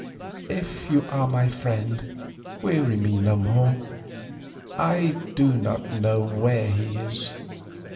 "If you are my friend, weary me no more. I do not know where he is.